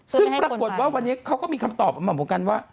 ซึ่งปรากฏว่าวันนี้เขาก็มีคำตอบออกมาเหมือนกันว่า